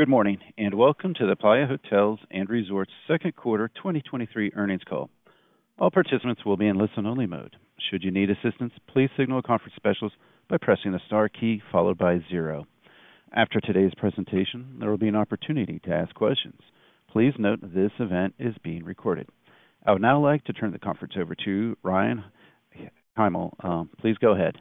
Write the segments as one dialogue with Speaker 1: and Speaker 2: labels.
Speaker 1: Good morning. Welcome to the Playa Hotels & Resorts second quarter 2023 earnings call. All participants will be in listen-only mode. Should you need assistance, please signal a conference specialist by pressing the star key followed by 0. After today's presentation, there will be an opportunity to ask questions. Please note this event is being recorded. I would now like to turn the conference over to Ryan Hymel. Please go ahead.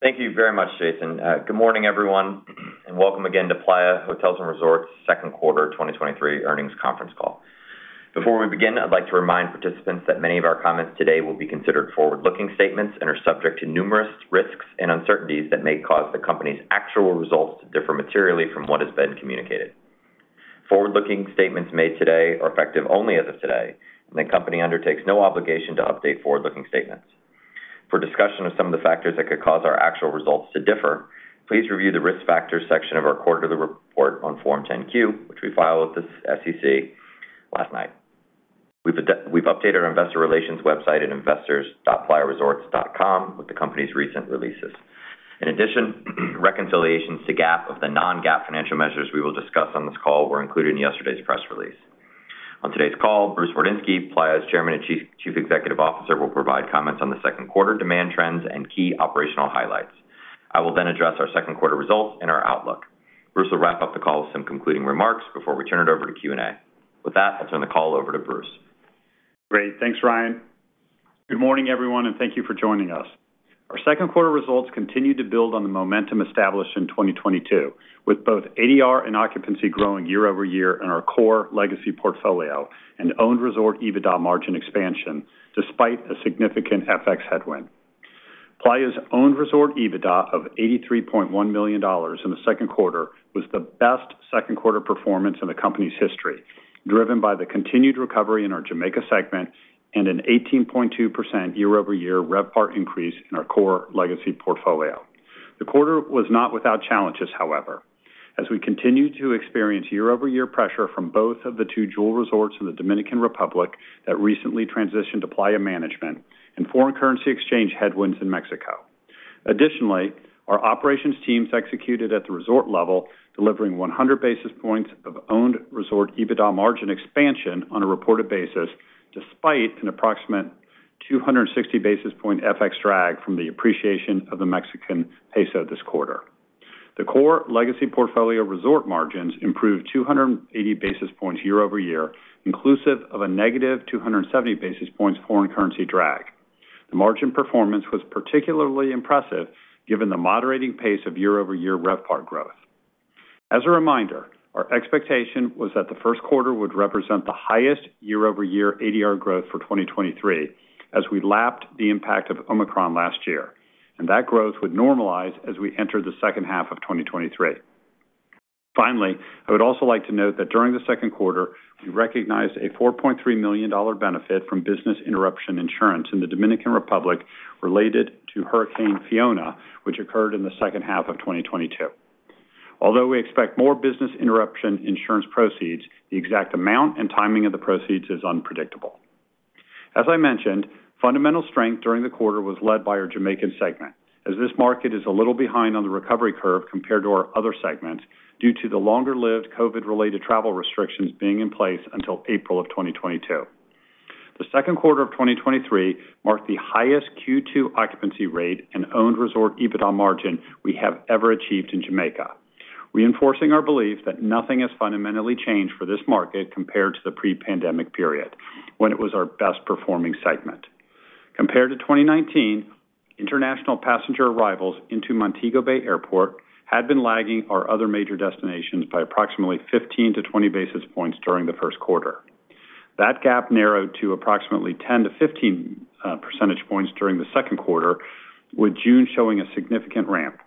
Speaker 2: Thank you very much, Jason. Good morning, everyone, and welcome again to Playa Hotels & Resorts second quarter 2023 earnings conference call. Before we begin, I'd like to remind participants that many of our comments today will be considered forward-looking statements and are subject to numerous risks and uncertainties that may cause the company's actual results to differ materially from what has been communicated. Forward-looking statements made today are effective only as of today, and the company undertakes no obligation to update forward-looking statements. For discussion of some of the factors that could cause our actual results to differ, please review the Risk Factors section of our quarterly report on Form 10-Q, which we filed with the SEC last night. We've updated our investor relations website at investors.playaresorts.com with the company's recent releases. Reconciliations to GAAP of the non-GAAP financial measures we will discuss on this call were included in yesterday's press release. On today's call, Bruce Wardinski, Playa's Chairman and Chief, Chief Executive Officer, will provide comments on the 2nd quarter demand trends and key operational highlights. I will then address our 2nd quarter results and our outlook. Bruce will wrap up the call with some concluding remarks before we turn it over to Q&A. With that, I'll turn the call over to Bruce.
Speaker 3: Great. Thanks, Ryan. Good morning, everyone. Thank you for joining us. Our second quarter results continued to build on the momentum established in 2022, with both ADR and occupancy growing year-over-year in our core legacy portfolio and owned resort EBITDA margin expansion, despite a significant FX headwind. Playa's owned resort EBITDA of $83.1 million in the second quarter was the best second quarter performance in the company's history, driven by the continued recovery in our Jamaica segment and an 18.2% year-over-year revPAR increase in our core legacy portfolio. The quarter was not without challenges, however, as we continued to experience year-over-year pressure from both of the two Jewel Resorts in the Dominican Republic that recently transitioned to Playa management and foreign currency exchange headwinds in Mexico. Additionally, our operations teams executed at the resort level, delivering 100 basis points of owned resort EBITDA margin expansion on a reported basis, despite an approximate 260 basis point FX drag from the appreciation of the Mexican peso this quarter. The core legacy portfolio resort margins improved 280 basis points year-over-year, inclusive of a negative 270 basis points foreign currency drag. The margin performance was particularly impressive given the moderating pace of year-over-year revPAR growth. As a reminder, our expectation was that the first quarter would represent the highest year-over-year ADR growth for 2023, as we lapped the impact of Omicron last year, and that growth would normalize as we enter the second half of 2023. Finally, I would also like to note that during the second quarter, we recognized a $4.3 million benefit from business interruption insurance in the Dominican Republic related to Hurricane Fiona, which occurred in the second half of 2022. Although we expect more business interruption insurance proceeds, the exact amount and timing of the proceeds is unpredictable. As I mentioned, fundamental strength during the quarter was led by our Jamaican segment, as this market is a little behind on the recovery curve compared to our other segments, due to the longer-lived COVID-related travel restrictions being in place until April of 2022. The second quarter of 2023 marked the highest Q2 occupancy rate and owned resort EBITDA margin we have ever achieved in Jamaica, reinforcing our belief that nothing has fundamentally changed for this market compared to the pre-pandemic period, when it was our best performing segment. Compared to 2019, international passenger arrivals into Montego Bay Airport had been lagging our other major destinations by approximately 15-20 basis points during the first quarter. That gap narrowed to approximately 10-15 percentage points during the second quarter, with June showing a significant ramp.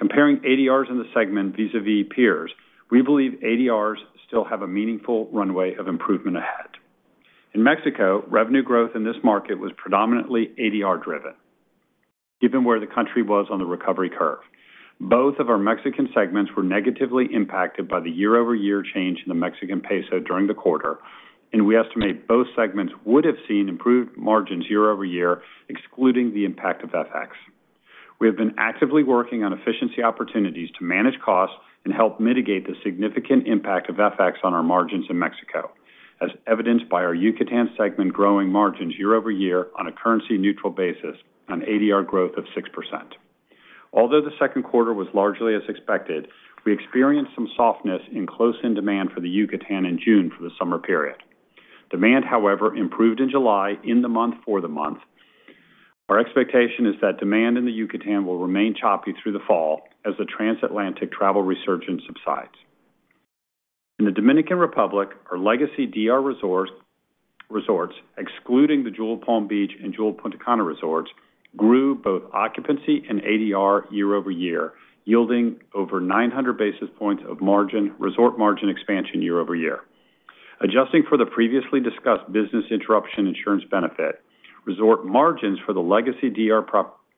Speaker 3: Comparing ADRs in the segment vis-a-vis peers, we believe ADRs still have a meaningful runway of improvement ahead. In Mexico, revenue growth in this market was predominantly ADR-driven, given where the country was on the recovery curve. Both of our Mexican segments were negatively impacted by the year-over-year change in the Mexican peso during the quarter. We estimate both segments would have seen improved margins year-over-year, excluding the impact of FX. We have been actively working on efficiency opportunities to manage costs and help mitigate the significant impact of FX on our margins in Mexico, as evidenced by our Yucatan segment growing margins year-over-year on a currency neutral basis on ADR growth of 6%. Although the second quarter was largely as expected, we experienced some softness in close-in demand for the Yucatan in June for the summer period. Demand, however, improved in July in the month for the month. Our expectation is that demand in the Yucatan will remain choppy through the fall as the transatlantic travel resurgence subsides. In the Dominican Republic, our legacy DR resorts, excluding the Jewel Palm Beach and Jewel Punta Cana resorts, grew both occupancy and ADR year-over-year, yielding over 900 basis points of resort margin expansion year-over-year. Adjusting for the previously discussed business interruption insurance benefit, resort margins for the legacy DR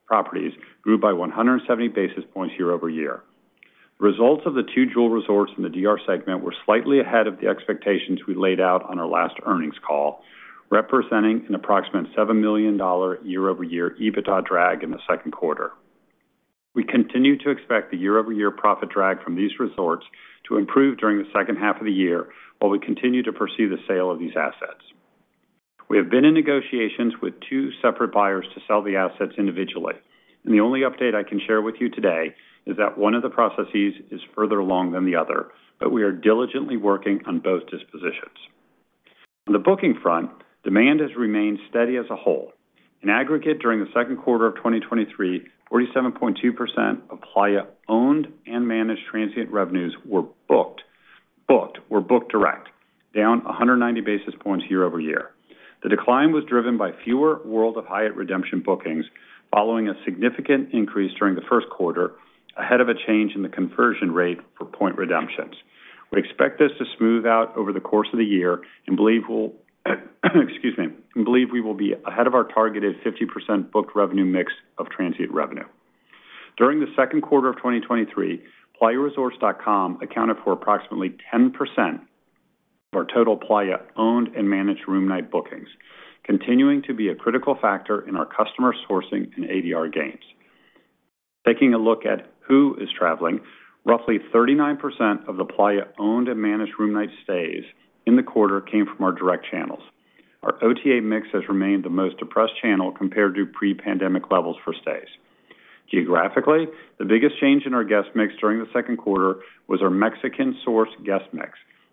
Speaker 3: properties grew by 170 basis points year-over-year. Results of the two Jewel resorts in the DR segment were slightly ahead of the expectations we laid out on our last earnings call, representing an approximate $7 million year-over-year EBITDA drag in the second quarter. We continue to expect the year-over-year profit drag from these resorts to improve during the second half of the year, while we continue to pursue the sale of these assets. We have been in negotiations with two separate buyers to sell the assets individually, and the only update I can share with you today is that one of the processes is further along than the other, but we are diligently working on both dispositions. On the booking front, demand has remained steady as a whole. In aggregate, during the second quarter of 2023, 47.2% of Playa owned and managed transient revenues were booked direct, down 190 basis points year-over-year. The decline was driven by fewer World of Hyatt redemption bookings, following a significant increase during the first quarter, ahead of a change in the conversion rate for point redemptions. We expect this to smooth out over the course of the year and believe we'll, excuse me, and believe we will be ahead of our targeted 50% booked revenue mix of transient revenue. During the second quarter of 2023, playaresorts.com accounted for approximately 10% of our total Playa owned and managed room night bookings, continuing to be a critical factor in our customer sourcing and ADR gains. Taking a look at who is traveling, roughly 39% of the Playa owned and managed room night stays in the quarter came from our direct channels. Our OTA mix has remained the most depressed channel compared to pre-pandemic levels for stays. Geographically, the biggest change in our guest mix during the second quarter was our Mexican source guest mix,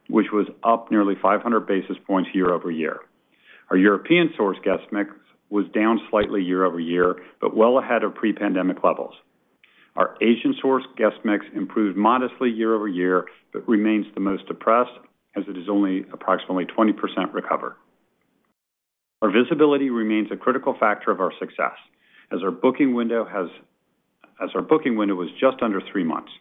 Speaker 3: which was up nearly 500 basis points year-over-year. Our European source guest mix was down slightly year-over-year, but well ahead of pre-pandemic levels. Our Asian source guest mix improved modestly year-over-year, but remains the most depressed as it is only approximately 20% recovered. Our visibility remains a critical factor of our success as our booking window was just under three months.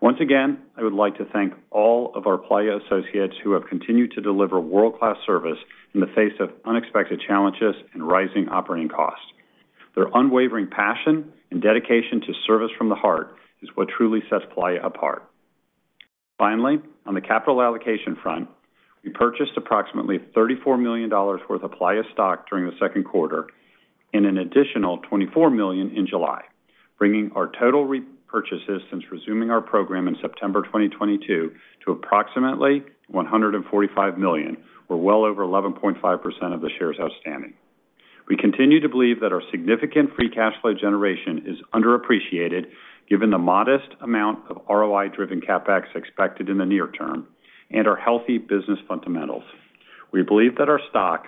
Speaker 3: Once again, I would like to thank all of our Playa associates who have continued to deliver world-class service in the face of unexpected challenges and rising operating costs. Their unwavering passion and dedication to service from the heart is what truly sets Playa apart. Finally, on the capital allocation front, we purchased approximately $34 million worth of Playa stock during the second quarter, and an additional $24 million in July, bringing our total repurchases since resuming our program in September 2022 to approximately $145 million, or well over 11.5% of the shares outstanding. We continue to believe that our significant free cash flow generation is underappreciated, given the modest amount of ROI-driven CapEx expected in the near term and our healthy business fundamentals. We believe that our stock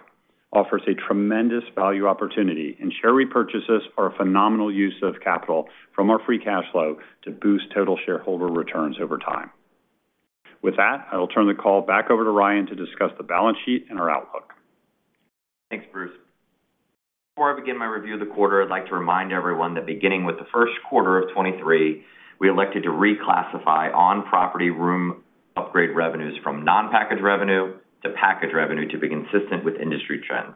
Speaker 3: offers a tremendous value opportunity, and share repurchases are a phenomenal use of capital from our free cash flow to boost total shareholder returns over time. With that, I will turn the call back over to Ryan to discuss the balance sheet and our outlook.
Speaker 2: Thanks, Bruce. Before I begin my review of the quarter, I'd like to remind everyone that beginning with the first quarter of 23, we elected to reclassify on-property room upgrade revenues from non-package revenue to package revenue to be consistent with industry trends.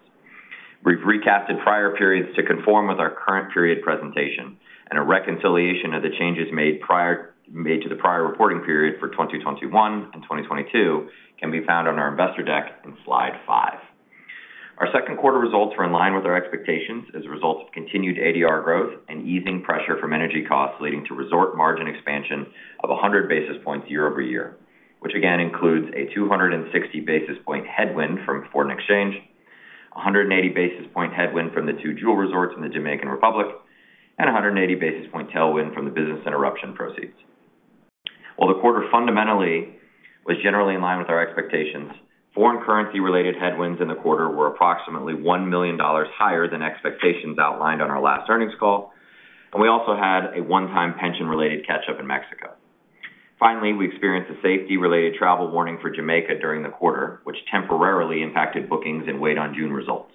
Speaker 2: We've recasted prior periods to conform with our current period presentation, and a reconciliation of the changes made to the prior reporting period for 2021 and 2022 can be found on our investor deck in Slide 5. Our second quarter results were in line with our expectations as a result of continued ADR growth and easing pressure from energy costs, leading to resort margin expansion of 100 basis points year-over-year, which again includes a 260 basis point headwind from foreign exchange, 180 basis point headwind from the two Jewel resorts in the Dominican Republic, and 180 basis point tailwind from the business interruption proceeds. While the quarter fundamentally was generally in line with our expectations, foreign currency related headwinds in the quarter were approximately $1 million higher than expectations outlined on our last earnings call, and we also had a one-time pension-related catch-up in Mexico. Finally, we experienced a safety-related travel warning for Jamaica during the quarter, which temporarily impacted bookings and weighed on June results.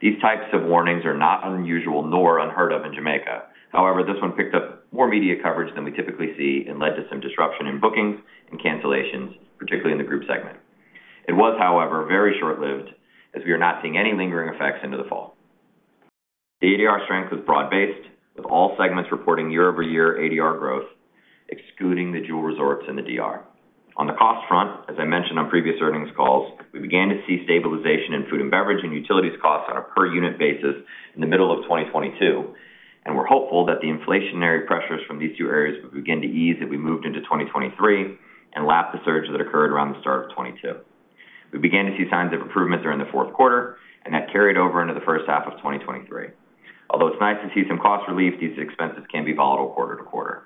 Speaker 2: These types of warnings are not unusual nor unheard of in Jamaica. However, this one picked up more media coverage than we typically see and led to some disruption in bookings and cancellations, particularly in the group segment. It was, however, very short-lived, as we are not seeing any lingering effects into the fall. The ADR strength was broad-based, with all segments reporting year-over-year ADR growth, excluding the Jewel Resorts in the DR. On the cost front, as I mentioned on previous earnings calls, we began to see stabilization in food and beverage and utilities costs on a per unit basis in the middle of 2022, and we're hopeful that the inflationary pressures from these two areas would begin to ease as we moved into 2023 and lap the surge that occurred around the start of 2022. We began to see signs of improvement during the fourth quarter, and that carried over into the first half of 2023. Although it's nice to see some cost relief, these expenses can be volatile quarter-to-quarter.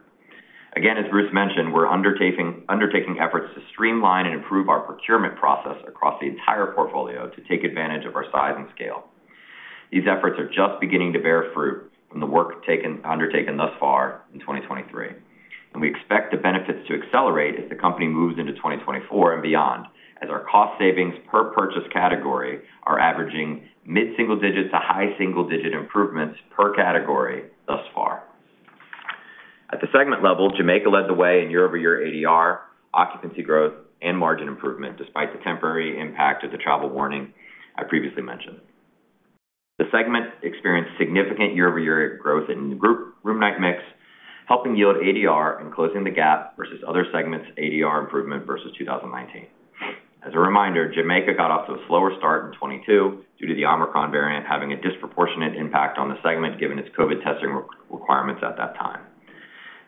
Speaker 2: Again, as Bruce mentioned, we're undertaking, undertaking efforts to streamline and improve our procurement process across the entire portfolio to take advantage of our size and scale. These efforts are just beginning to bear fruit from the work undertaken thus far in 2023, and we expect the benefits to accelerate as the company moves into 2024 and beyond, as our cost savings per purchase category are averaging mid-single digits to high single-digit improvements per category thus far. At the segment level, Jamaica led the way in year-over-year ADR, occupancy growth, and margin improvement, despite the temporary impact of the travel warning I previously mentioned. The segment experienced significant year-over-year growth in group room night mix, helping yield ADR and closing the gap versus other segments' ADR improvement versus 2019. As a reminder, Jamaica got off to a slower start in 2022 due to the Omicron variant having a disproportionate impact on the segment, given its COVID testing requirements at that time.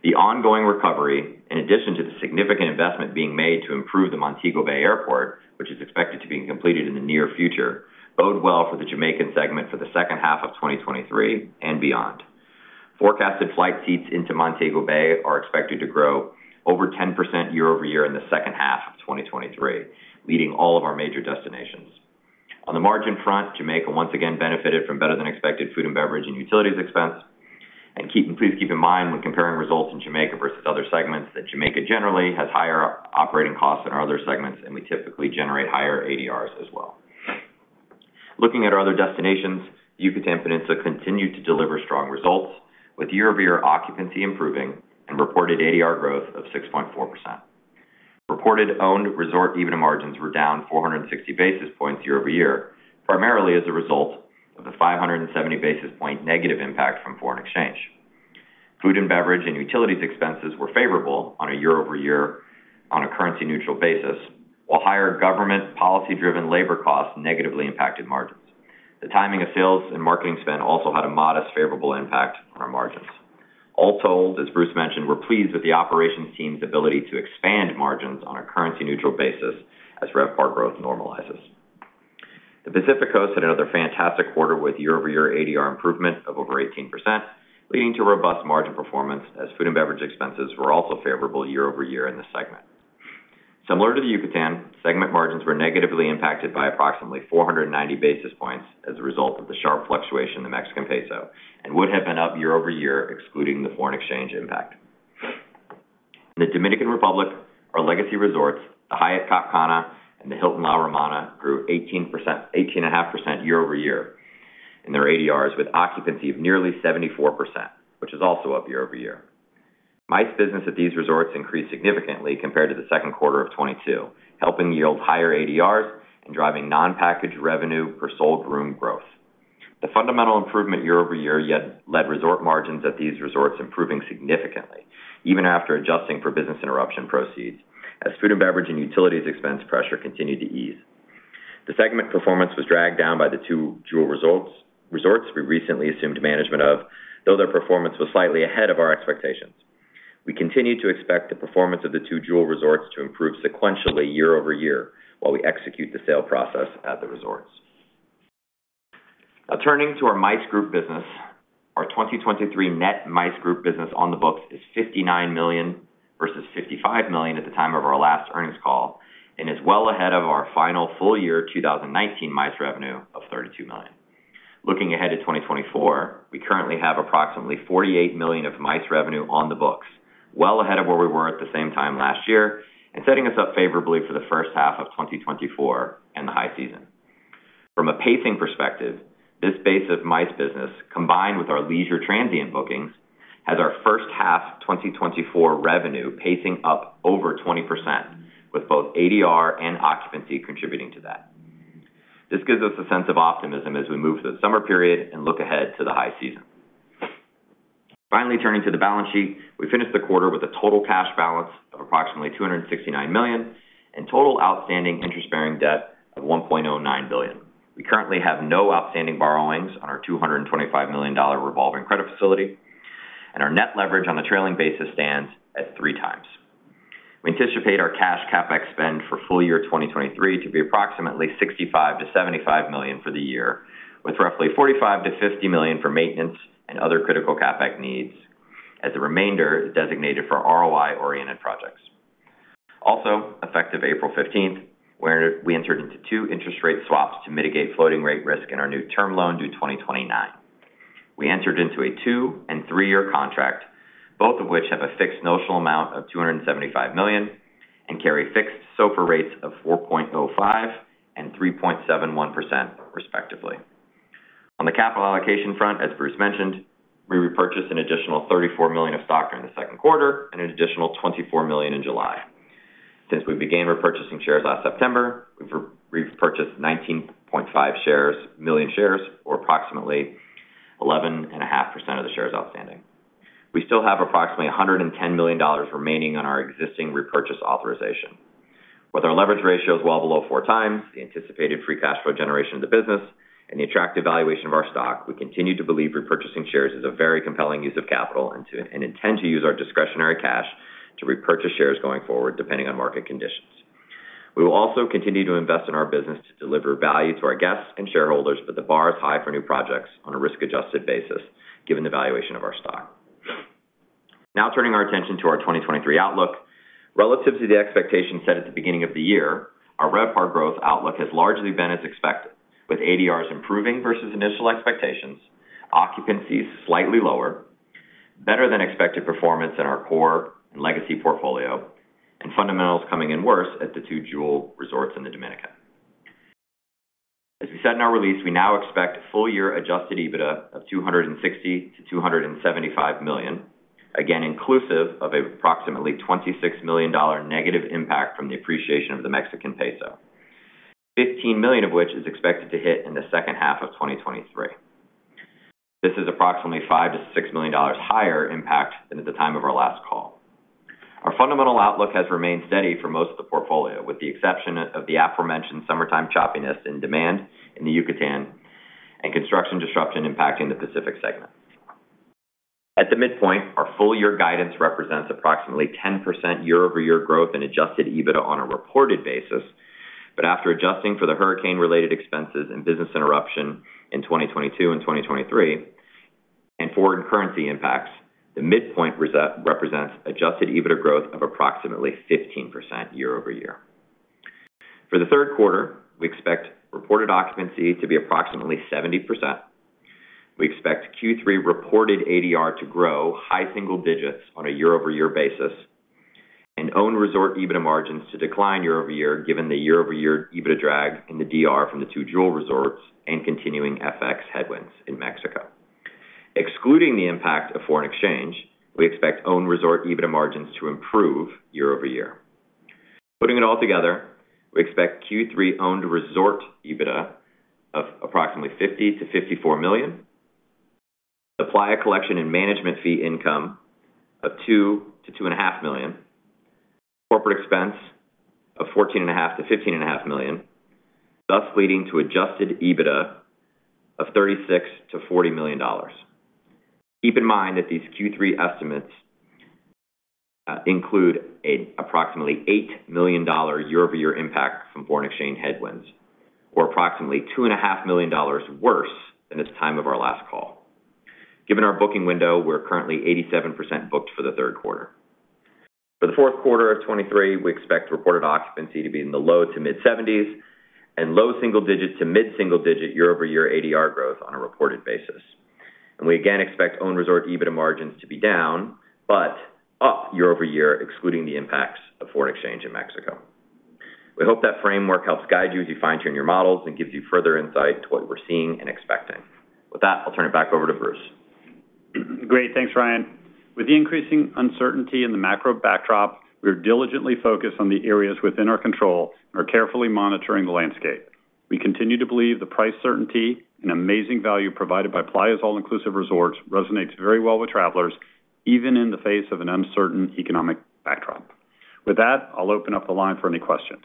Speaker 2: The ongoing recovery, in addition to the significant investment being made to improve the Montego Bay Airport, which is expected to be completed in the near future, bode well for the Jamaican segment for the second half of 2023 and beyond. Forecasted flight seats into Montego Bay are expected to grow over 10% year-over-year in the second half of 2023, leading all of our major destinations. On the margin front, Jamaica once again benefited from better than expected food and beverage and utilities expense. Keeping-- please keep in mind, when comparing results in Jamaica versus other segments, that Jamaica generally has higher operating costs than our other segments, and we typically generate higher ADRs as well. Looking at our other destinations, Yucatan Peninsula continued to deliver strong results, with year-over-year occupancy improving and reported ADR growth of 6.4%. Reported owned resort EBITDA margins were down 460 basis points year-over-year, primarily as a result of the 570 basis point negative impact from foreign exchange. Food and beverage and utilities expenses were favorable on a year-over-year on a currency-neutral basis, while higher government policy-driven labor costs negatively impacted margins. The timing of sales and marketing spend also had a modest, favorable impact on our margins. All told, as Bruce mentioned, we're pleased with the operations team's ability to expand margins on a currency-neutral basis as RevPAR growth normalizes. The Pacific Coast had another fantastic quarter with year-over-year ADR improvement of over 18%, leading to robust margin performance, as food and beverage expenses were also favorable year-over-year in this segment. Similar to the Yucatan, segment margins were negatively impacted by approximately 490 basis points as a result of the sharp fluctuation in the Mexican peso, and would have been up year-over-year, excluding the foreign exchange impact. The Dominican Republic, our legacy resorts, the Hyatt Cap Cana and the Hilton La Romana, grew 18%-- 18.5% year-over-year in their ADRs, with occupancy of nearly 74%, which is also up year-over-year. MICE business at these resorts increased significantly compared to the second quarter of 2022, helping yield higher ADRs and driving non-packaged revenue per sold room growth. The fundamental improvement year-over-year yet led resort margins at these resorts improving significantly, even after adjusting for business interruption proceeds, as food and beverage and utilities expense pressure continued to ease. The segment performance was dragged down by the two Jewel resorts we recently assumed management of, though their performance was slightly ahead of our expectations. We continue to expect the performance of the two Jewel resorts to improve sequentially year-over-year while we execute the sale process at the resorts. Now turning to our MICE group business. Our 2023 net MICE group business on the books is $59 million versus $55 million at the time of our last earnings call, is well ahead of our final full year, 2019 MICE revenue of $32 million. Looking ahead to 2024, we currently have approximately $48 million of MICE revenue on the books, well ahead of where we were at the same time last year, setting us up favorably for the first half of 2024 and the high season. From a pacing perspective, this base of MICE business, combined with our leisure transient bookings, has our first half of 2024 revenue pacing up over 20%, with both ADR and occupancy contributing to that. This gives us a sense of optimism as we move to the summer period and look ahead to the high season. Finally, turning to the balance sheet. We finished the quarter with a total cash balance of approximately $269 million. Total outstanding interest-bearing debt of $1.09 billion. We currently have no outstanding borrowings on our $225 million revolving credit facility, and our net leverage on a trailing basis stands at three times. We anticipate our cash CapEx spend for full year 2023 to be approximately $65 million-$75 million for the year, with roughly $45 million-$50 million for maintenance and other critical CapEx needs, as the remainder is designated for ROI-oriented projects. Also, effective April 15th, where we entered into two interest rate swaps to mitigate floating rate risk in our new term loan, due 2029. We entered into a two and three-year contract, both of which have a fixed notional amount of $275 million, and carry fixed SOFR rates of 4.05% and 3.71%, respectively. On the capital allocation front, as Bruce mentioned, we repurchased an additional $34 million of stock during the second quarter and an additional $24 million in July. Since we began repurchasing shares last September, we've repurchased 19.5 million shares, or approximately 11.5% of the shares outstanding. We still have approximately $110 million remaining on our existing repurchase authorization. With our leverage ratios well below four times the anticipated free cash flow generation of the business and the attractive valuation of our stock, we continue to believe repurchasing shares is a very compelling use of capital and intend to use our discretionary cash to repurchase shares going forward, depending on market conditions. We will also continue to invest in our business to deliver value to our guests and shareholders, the bar is high for new projects on a risk-adjusted basis, given the valuation of our stock. Now turning our attention to our 2023 outlook. Relative to the expectations set at the beginning of the year, our RevPAR growth outlook has largely been as expected, with ADRs improving versus initial expectations, occupancies slightly lower, better than expected performance in our core and legacy portfolio, and fundamentals coming in worse at the two Jewel Resorts in the Dominican. As we said in our release, we now expect full-year adjusted EBITDA of $260 million-$275 million, again, inclusive of approximately $26 million negative impact from the appreciation of the Mexican peso, $15 million of which is expected to hit in the second half of 2023. This is approximately $5 million-$6 million higher impact than at the time of our last call. Our fundamental outlook has remained steady for most of the portfolio, with the exception of the aforementioned summertime choppiness in demand in the Yucatan and construction disruption impacting the Pacific segment. At the midpoint, our full year guidance represents approximately 10% year-over-year growth in Adjusted EBITDA on a reported basis. After adjusting for the hurricane-related expenses and business interruption in 2022 and 2023, and foreign currency impacts, the midpoint reset represents Adjusted EBITDA growth of approximately 15% year-over-year. For the third quarter, we expect reported occupancy to be approximately 70%. We expect Q3 reported ADR to grow high single digits on a year-over-year basis, and own resort EBITDA margins to decline year-over-year, given the year-over-year EBITDA drag in the DR from the two Jewel Resorts and continuing FX headwinds in Mexico. Excluding the impact of foreign exchange, we expect own resort EBITDA margins to improve year-over-year. Putting it all together, we expect Q3 owned resort EBITDA of approximately $50 million-$54 million, the fly collection and management fee income of $2 million-$2.5 million, corporate expense of $14.5 million-$15.5 million, thus leading to Adjusted EBITDA of $36 million-$40 million. Keep in mind that these Q3 estimates include approximately $8 million year-over-year impact from foreign exchange headwinds, or approximately $2.5 million worse than this time of our last call. Given our booking window, we're currently 87% booked for the third quarter. For the fourth quarter of 2023, we expect reported occupancy to be in the low to mid-70s and low single-digits to mid-single-digit year-over-year ADR growth on a reported basis. We again expect own resort EBITDA margins to be down, but up year-over-year, excluding the impacts of foreign exchange in Mexico. We hope that framework helps guide you as you fine-tune your models and gives you further insight to what we're seeing and expecting. With that, I'll turn it back over to Bruce.
Speaker 3: Great. Thanks, Ryan. With the increasing uncertainty in the macro backdrop, we are diligently focused on the areas within our control and are carefully monitoring the landscape. We continue to believe the price certainty and amazing value provided by Playa's all-inclusive resorts resonates very well with travelers, even in the face of an uncertain economic backdrop. With that, I'll open up the line for any questions.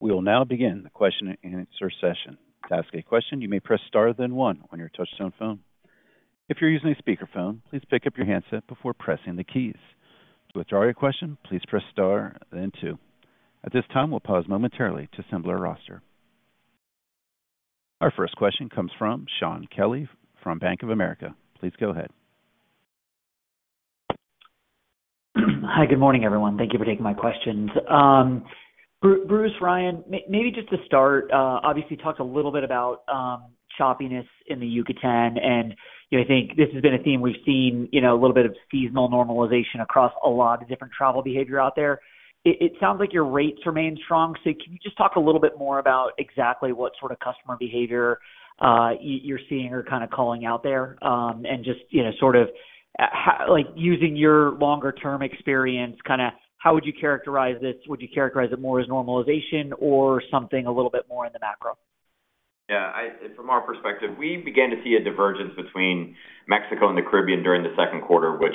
Speaker 1: We will now begin the question and answer session. To ask a question, you may press star, then 1 on your touchtone phone. If you're using a speakerphone, please pick up your handset before pressing the keys. To withdraw your question, please press star, then two. At this time, we'll pause momentarily to assemble our roster. Our first question comes from Sean Kelly from Bank of America. Please go ahead.
Speaker 4: Hi, good morning, everyone. Thank you for taking my questions. Bruce, Ryan, maybe just to start, obviously, talked a little bit about choppiness in the Yucatan, and I think this has been a theme we've seen, you know, a little bit of seasonal normalization across a lot of different travel behavior out there. It, it sounds like your rates remain strong. Can you just talk a little bit more about exactly what sort of customer behavior, you're seeing or kind of calling out there? And just, you know, sort of, like, using your longer term experience, kinda, how would you characterize this? Would you characterize it more as normalization or something a little bit more in the macro?
Speaker 2: Yeah, I From our perspective, we began to see a divergence between Mexico and the Caribbean during the second quarter, which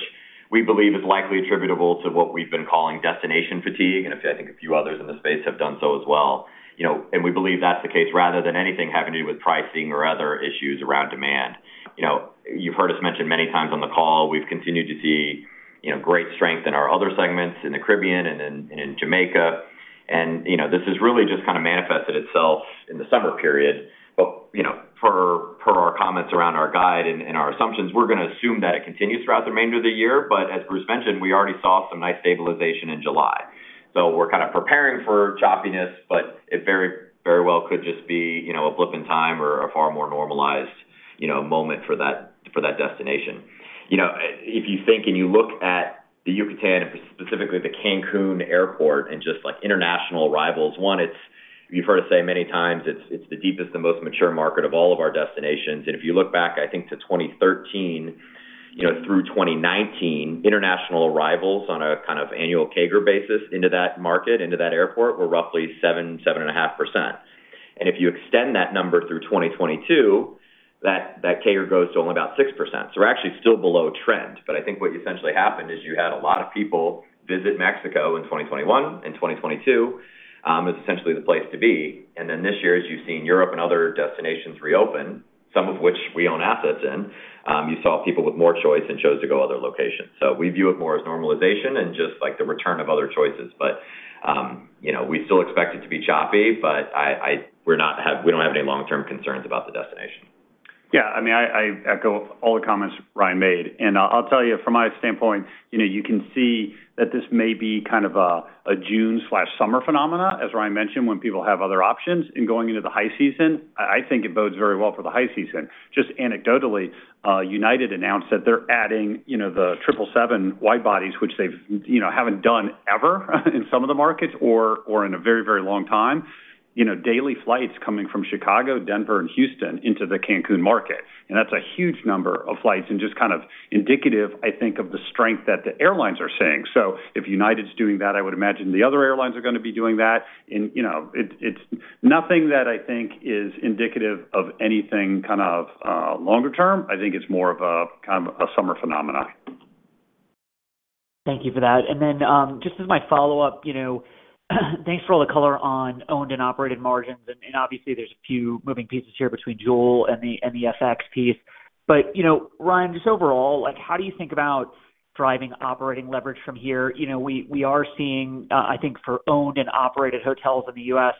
Speaker 2: we believe is likely attributable to what we've been calling destination fatigue, and I think a few others in the space have done so as well. You know, we believe that's the case rather than anything having to do with pricing or other issues around demand. You know, you've heard us mention many times on the call, we've continued to see, you know, great strength in our other segments in the Caribbean and in, in Jamaica. You know, this has really just kind of manifested itself in the summer period. You know, for, for our comments around our guide and, and our assumptions, we're going to assume that it continues throughout the remainder of the year. As Bruce mentioned, we already saw some nice stabilization in July. We're kind of preparing for choppiness, but it very, very well could just be, you know, a blip in time or a far more normalized, you know, moment for that, for that destination. You know, if you think and you look at the Yucatan, and specifically the Cancun Airport, and just like international arrivals, one, You've heard us say many times, it's the deepest and most mature market of all of our destinations. If you look back, I think, to 2013, you know, through 2019, international arrivals on a kind of annual CAGR basis into that market, into that airport, were roughly 7-7.5%. If you extend that number through 2022, that CAGR goes to only about 6%. We're actually still below trend. I think what essentially happened is you had a lot of people visit Mexico in 2021 and 2022, it's essentially the place to be. This year, as you've seen Europe and other destinations reopen, some of which we own assets in, you saw people with more choice and chose to go other locations. We view it more as normalization and just like the return of other choices. You know, we still expect it to be choppy, but we don't have any long-term concerns about the destination.
Speaker 3: Yeah, I mean, I, I echo all the comments Ryan made, and I'll tell you from my standpoint, you know, you can see that this may be kind of a, a June/summer phenomena, as Ryan mentioned, when people have other options in going into the high season. I, I think it bodes very well for the high season. Just anecdotally, United announced that they're adding, you know, the triple seven wide bodies, which they've, you know, haven't done ever, in some of the markets or, or in a very, very long time, you know, daily flights coming from Chicago, Denver, and Houston into the Cancun market. That's a huge number of flights and just kind of indicative, I think, of the strength that the airlines are seeing. If United's doing that, I would imagine the other airlines are going to be doing that. you know, it's, it's nothing that I think is indicative of anything kind of, longer term. I think it's more of a, kind of a summer phenomena.
Speaker 4: Thank you for that. Just as my follow-up, you know, thanks for all the color on owned and operated margins, obviously, there's a few moving pieces here between Jewel and the FX piece. You know, Ryan, just overall, like, how do you think about driving operating leverage from here? You know, we are seeing, I think for owned and operated hotels in the U.S.,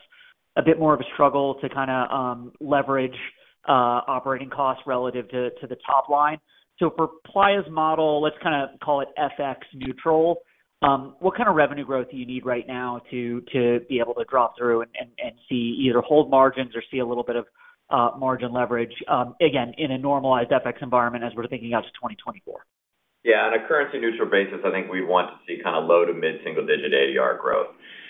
Speaker 4: a bit more of a struggle to leverage operating costs relative to the top line. For Playa's model, let's kinda call it FX neutral, what kind of revenue growth do you need right now to, to be able to drop through and, and, and see either hold margins or see a little bit of margin leverage, again, in a normalized FX environment as we're thinking out to 2024?
Speaker 2: Yeah, on a currency neutral basis, I think we want to see kinda low to mid single digit ADR growth.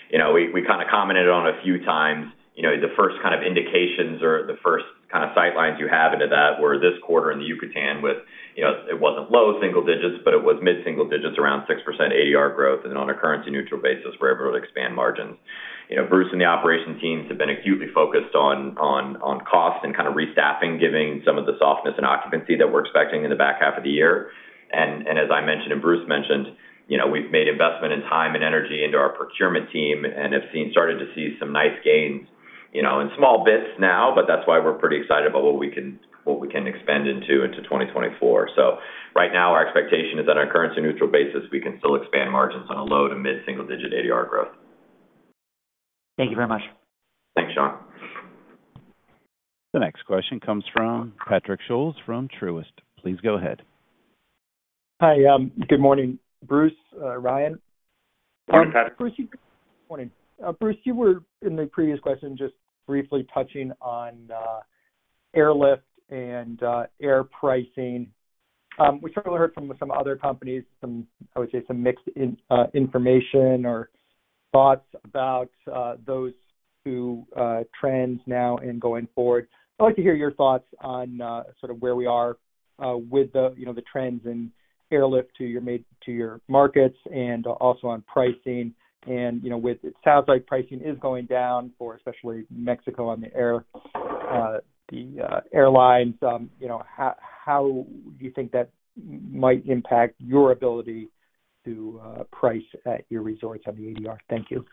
Speaker 2: You know, we, we kinda commented on a few times, you know, the first kind of indications or the first kind of sight lines you have into that were this quarter in the Yucatan, with, you know, it wasn't low single digits, but it was mid single digits, around 6% ADR growth, and on a currency neutral basis, where it would expand margins. You know, Bruce and the operation teams have been acutely focused on, on, on cost and kind of restaffing, giving some of the softness and occupancy that we're expecting in the back half of the year. As I mentioned, and Bruce Wardinski mentioned, you know, we've made investment in time and energy into our procurement team and have seen-- starting to see some nice gains, you know, in small bits now, but that's why we're pretty excited about what we can, what we can expand into into 2024. Right now, our expectation is on our currency neutral basis, we can still expand margins on a low to mid-single-digit ADR growth.
Speaker 4: Thank you very much.
Speaker 2: Thanks, Sean.
Speaker 1: The next question comes from Patrick Scholes from Truist. Please go ahead.
Speaker 5: Hi, good morning, Bruce, Ryan.
Speaker 2: Hi, Patrick.
Speaker 6: Bruce, you-- Good morning. Bruce, you were, in the previous question, just briefly touching on airlift and air pricing. We certainly heard from some other companies, some, I would say, some mixed in information or thoughts about those two trends now and going forward. I'd like to hear your thoughts on sort of where we are with the, you know, the trends in airlift to your mid, to your markets and also on pricing. You know, with-- it sounds like pricing is going down for especially Mexico on the air, the airlines. You know, how, how do you think that might impact your ability to price at your resorts on the ADR? Thank you.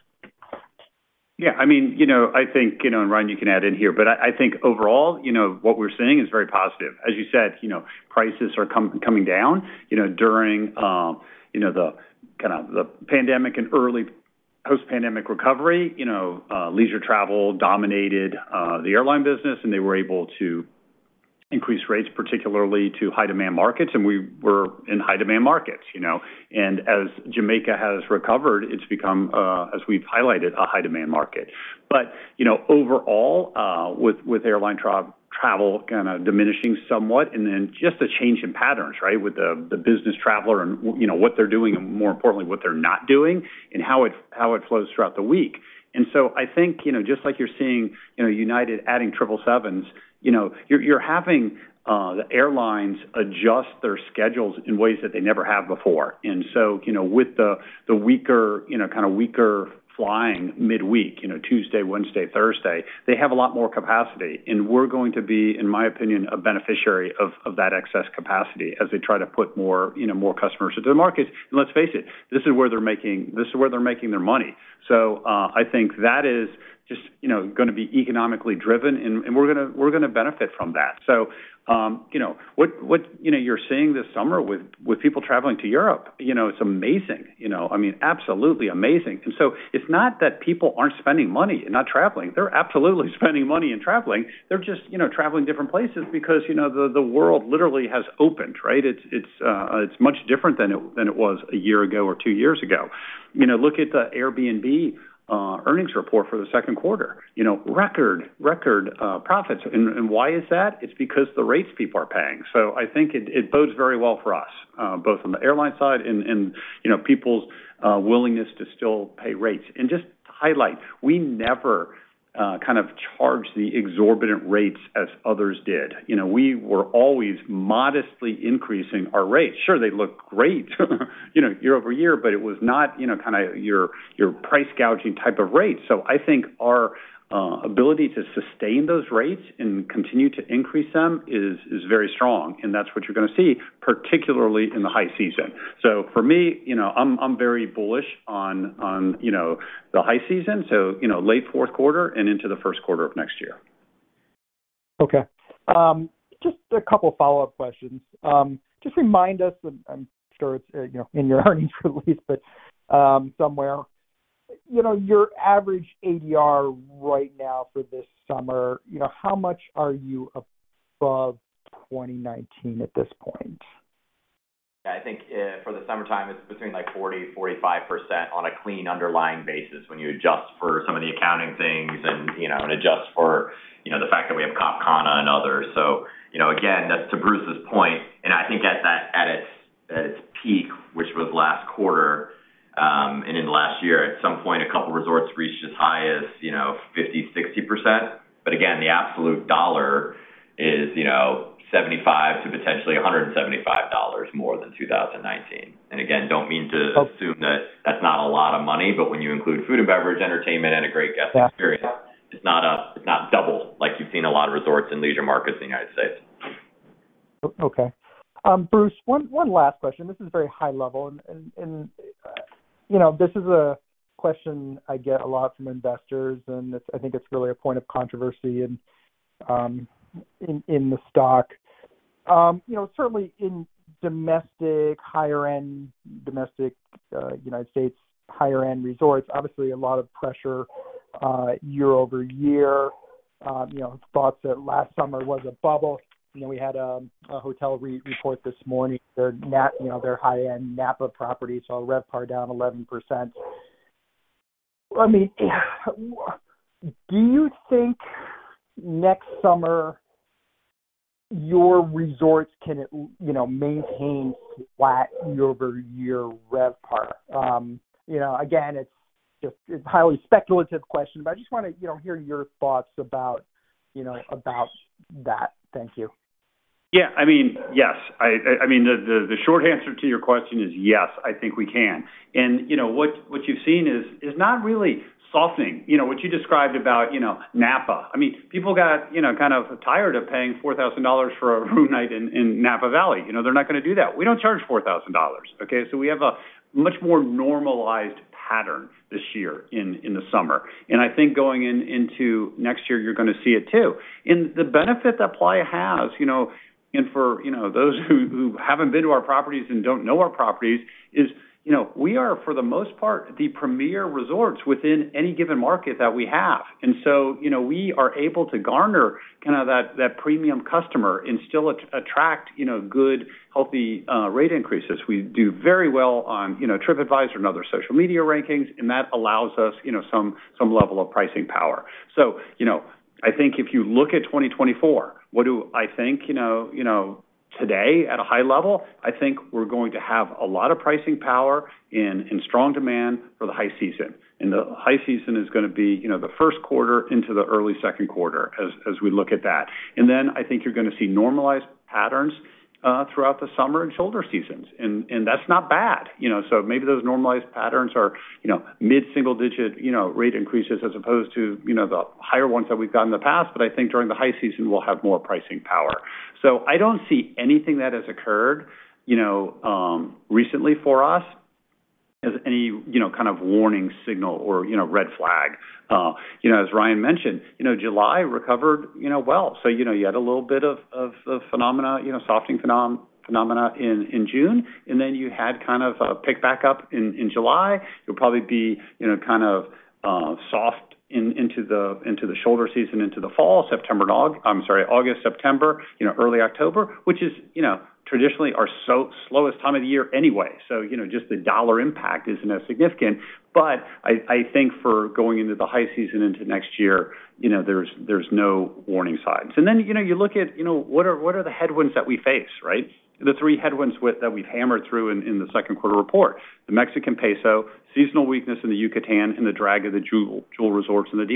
Speaker 3: Yeah, I mean, you know, I think, you know, and Ryan, you can add in here, but I, I think overall, you know, what we're seeing is very positive. As you said, you know, prices are coming down. You know, during, you know, the kind of the pandemic and early post-pandemic recovery, you know, leisure travel dominated the airline business, and they were able to increase rates, particularly to high demand markets, and we were in high demand markets, you know. And as Jamaica has recovered, it's become, as we've highlighted, a high demand market. But, you know, overall, with, with airline travel kinda diminishing somewhat, and then just a change in patterns, right? With the, the business traveler and, you know, what they're doing and more importantly, what they're not doing, and how it flows throughout the week. I think, you know, just like you're seeing, you know, United adding Triple Sevens, you know, you're, you're having the airlines adjust their schedules in ways that they never have before. With the, the weaker, you know, kind of weaker flying midweek, you know, Tuesday, Wednesday, Thursday, they have a lot more capacity, and we're going to be, in my opinion, a beneficiary of, of that excess capacity as they try to put more, you know, more customers into the market. Let's face it, this is where they're making this is where they're making their money. I think that is just, you know, gonna be economically driven and, and we're gonna, we're gonna benefit from that. What, what, you know, you're seeing this summer with, with people traveling to Europe, you know, it's amazing. You know, I mean, absolutely amazing. So it's not that people aren't spending money and not traveling. They're absolutely spending money and traveling. They're just, you know, traveling different places because, you know, the, the world literally has opened, right? It's, it's, it's much different than it, than it was a year ago or two years ago. You know, look at the Airbnb earnings report for the second quarter, you know, record, record profits. Why is that? It's because the rates people are paying. I think it, it bodes very well for us, both on the airline side and, you know, people's willingness to still pay rates. Just to highlight, we never kind of charged the exorbitant rates as others did. You know, we were always modestly increasing our rates. Sure, they look great, you know, year-over-year, but it was not, you know, kind of your, your price gouging type of rates. I think our ability to sustain those rates and continue to increase them is, is very strong, and that's what you're gonna see, particularly in the high season. For me, you know, I'm, I'm very bullish on, on, you know, the high season, so, you know, late fourth quarter and into the first quarter of next year.
Speaker 5: Okay. Just a couple follow-up questions. Just remind us, I'm sure it's, you know, in your earnings release, but somewhere. You know, your average ADR right now for this summer, you know, how much are you above 2019 at this point?
Speaker 2: I think, for the summertime, it's between, like, 40%-45% on a clean underlying basis when you adjust for some of the accounting things and, you know, and adjust for, you know, the fact that we have Cap Cana and others. Again, that's to Bruce's point, and I think at that, at its, at its peak, which was last quarter, and in the last year, at some point, a couple resorts reached as high as, you know, 50%-60%. Again, the absolute dollar is, you know, $75 to potentially $175 more than 2019. Again, don't mean to assume that that's not a lot of money, but when you include food and beverage, entertainment, and a great guest experience, it's not, it's not double like you've seen a lot of resorts in leisure markets in the United States.
Speaker 5: Okay. Bruce, one, one last question. This is very high level, you know, this is a question I get a lot from investors, and it's I think it's really a point of controversy in the stock. You know, certainly in domestic, higher-end domestic, United States higher-end resorts, obviously, a lot of pressure, year-over-year. You know, thoughts that last summer was a bubble, and then we had a hotel report this morning. Their Napa, you know, their high-end Napa property saw RevPAR down 11%. I mean, do you think next summer, your resorts can, you know, maintain flat year-over-year RevPAR? You know, again, it's just, it's a highly speculative question, but I just wanna, you know, hear your thoughts about, you know, about that. Thank you.
Speaker 3: Yeah. I mean, yes. I mean, the short answer to your question is yes, I think we can. You know, what you've seen is not really softening. You know, what you described about, you know, Napa, I mean, people got, you know, kind of tired of paying $4,000 for a room night in, in Napa Valley. You know, they're not gonna do that. We don't charge $4,000, okay? We have a much more normalized pattern this year in, in the summer. I think going into next year, you're gonna see it too. The benefit that Playa has, you know, and for, you know, those who haven't been to our properties and don't know our properties is, you know, we are, for the most part, the premier resorts within any given market that we have. So, you know, we are able to garner kind of that, that premium customer and still attract, you know, good, healthy, rate increases. We do very well on, you know, TripAdvisor and other social media rankings, and that allows us, you know, some, some level of pricing power. You know, I think if you look at 2024, what do I think, you know, today, at a high level? I think we're going to have a lot of pricing power and, and strong demand for the high season. The high season is gonna be, you know, the first quarter into the early second quarter as, as we look at that. Then I think you're gonna see normalized patterns throughout the summer and shoulder seasons, and, and that's not bad, you know? Maybe those normalized patterns are, you know, mid-single digit, you know, rate increases as opposed to, you know, the higher ones that we've gotten in the past. I think during the high season, we'll have more pricing power. I don't see anything that has occurred, you know, recently for us, as any, you know, kind of warning signal or, you know, red flag. You know, as Ryan mentioned, you know, July recovered, you know, well. You know, you had a little bit of, of, of phenomena, you know, softening phenomena in, in June, and then you had kind of a pick back up in, in July. You'll probably be, you know, kind of soft into the, into the shoulder season, into the fall, September to August, I'm sorry, August, September, you know, early October, which is, you know, traditionally our slowest time of the year anyway. You know, just the dollar impact isn't as significant. I, I think for going into the high season into next year, you know, there's, there's no warning signs. Then, you know, you look at, you know, what are, what are the headwinds that we face, right? The three headwinds that we've hammered through in the second quarter report: the Mexican peso, seasonal weakness in the Yucatan, and the drag of the Jewel, Jewel resorts in the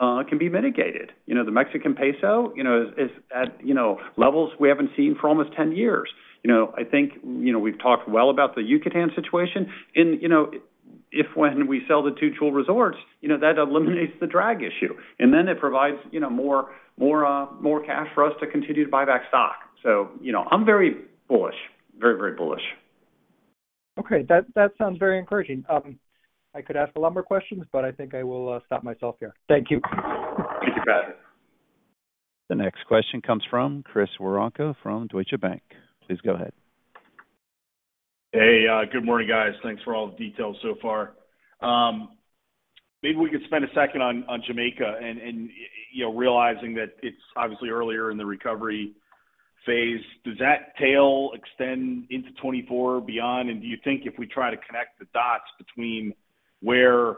Speaker 3: DR. All three of those things can be mitigated. You know, the Mexican peso, you know, is at, you know, levels we haven't seen for almost 10 years. You know, I think, you know, we've talked well about the Yucatan situation, and, you know, if when we sell the two Jewel Resorts, you know, that eliminates the drag issue, and then it provides, you know, more, more, more cash for us to continue to buy back stock. You know, I'm very bullish. Very, very bullish.
Speaker 6: Okay. That, that sounds very encouraging. I could ask a lot more questions, but I think I will stop myself here. Thank you.
Speaker 2: Thank you, Patrick.
Speaker 1: The next question comes from Chris Woronka from Deutsche Bank. Please go ahead.
Speaker 7: Hey, good morning, guys. Thanks for all the details so far. Maybe we could spend a second on, on Jamaica and, and, you know, realizing that it's obviously earlier in the recovery phase, does that tail extend into 2024 or beyond? Do you think if we try to connect the dots between where,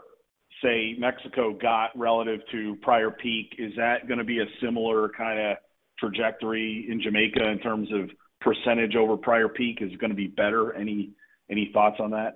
Speaker 7: say, Mexico got relative to prior peak, is that gonna be a similar kind of trajectory in Jamaica in terms of percentage over prior peak? Is it gonna be better? Any, any thoughts on that?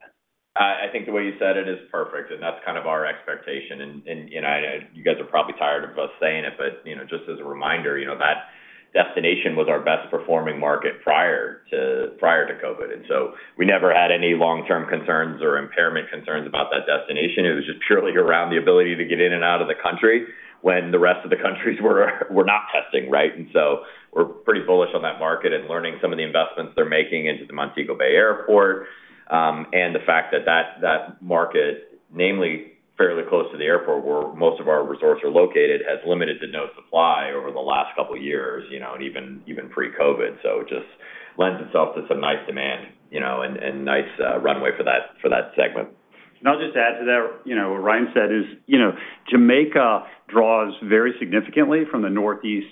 Speaker 2: I think the way you said it is perfect, and that's kind of our expectation. You know, you guys are probably tired of us saying it, but, you know, just as a reminder, you know, that destination was our best performing market prior to, prior to COVID. So we never had any long-term concerns or impairment concerns about that destination. It was just purely around the ability to get in and out of the country when the rest of the countries were, were not testing, right? So we're pretty bullish on that market and learning some of the investments they're making into the Montego Bay Airport. And the fact that, that, that market, namely fairly close to the airport, where most of our resorts are located, has limited to no supply over the last couple of years, you know, and even, even pre-COVID. It just lends itself to some nice demand, you know, and, and nice runway for that, for that segment.
Speaker 3: I'll just add to that. You know, what Ryan said is, you know, Jamaica draws very significantly from the northeast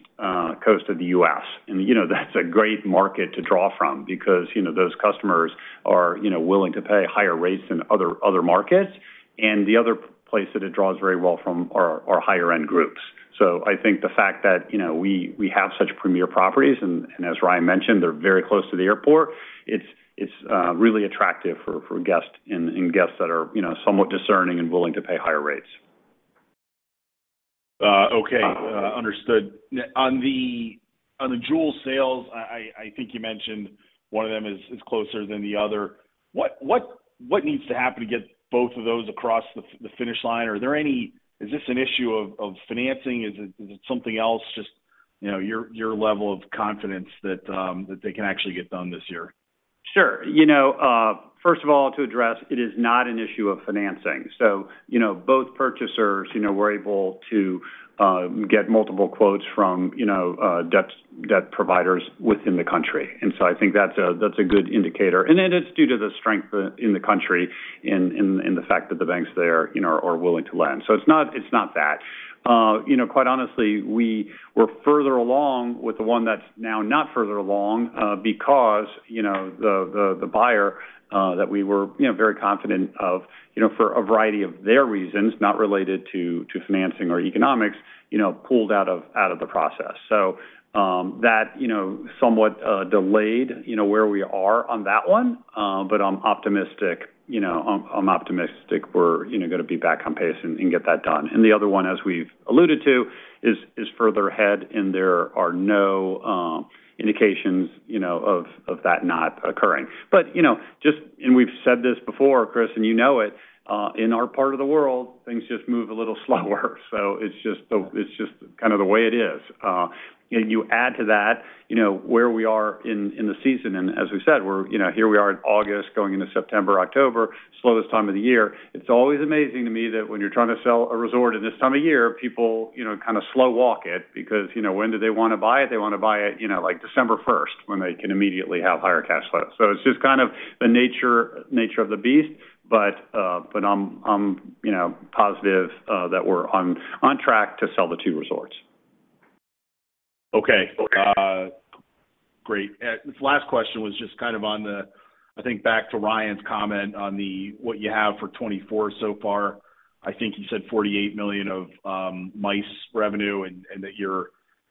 Speaker 3: coast of the U.S. You know, that's a great market to draw from because, you know, those customers are, you know, willing to pay higher rates than other, other markets. The other place that it draws very well from are, are higher-end groups. I think the fact that, you know, we, we have such premier properties, and, and as Ryan mentioned, they're very close to the airport, it's, it's really attractive for, for guests and, and guests that are, you know, somewhat discerning and willing to pay higher rates.
Speaker 7: Okay. Understood. On the, on the Jewel sales, I, I, I think you mentioned one of them is, is closer than the other. What, what, what needs to happen to get both of those across the finish line? Is this an issue of, of financing? Is it, is it something else? Just, you know, your, your level of confidence that they can actually get done this year....
Speaker 3: Sure. You know, first of all, to address, it is not an issue of financing. You know, both purchasers, you know, were able to get multiple quotes from, you know, debt, debt providers within the country. I think that's a, that's a good indicator, and it is due to the strength in the country and, and, and the fact that the banks there, you know, are willing to lend. It's not, it's not that. You know, quite honestly, we were further along with the one that's now not further along, because, you know, the, the, the buyer, that we were, you know, very confident of, you know, for a variety of their reasons, not related to, to financing or economics, you know, pulled out of, out of the process. That, you know, somewhat, delayed, you know, where we are on that one. But I'm optimistic, you know, I'm, I'm optimistic we're, you know, gonna be back on pace and, and get that done. The other one, as we've alluded to, is, is further ahead, and there are no indications, you know, of, of that not occurring. You know, just. We've said this before, Chris, and you know it, in our part of the world, things just move a little slower. It's just kind of the way it is. And you add to that, you know, where we are in, in the season, and as we said, we're, you know, here we are in August, going into September, October, slowest time of the year. It's always amazing to me that when you're trying to sell a resort in this time of year, people, you know, kind of slow walk it because, you know, when do they want to buy it? They want to buy it, you know, like December first, when they can immediately have higher cash flows. It's just kind of the nature, nature of the beast. I'm, I'm, you know, positive that we're on, on track to sell the two resorts.
Speaker 7: Okay. Great. This last question was just kind of on the, I think, back to Ryan's comment on the, what you have for 2024 so far. I think you said $48 million of MICE revenue, and that your